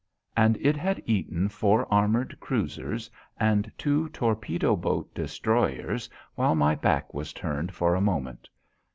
And it had eaten four armoured cruisers and two torpedo boat destroyers while my back was turned for a moment.